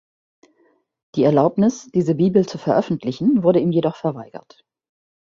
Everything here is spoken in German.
Die Erlaubnis, diese Bibel zu veröffentlichen, wurde ihm jedoch verweigert.